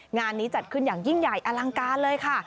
งานนี้จัดขึ้นอย่างยิ่งใหญ่อลังการเลยค่ะ